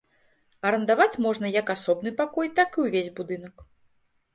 Арандаваць можна як асобны пакой, так і ўвесь будынак.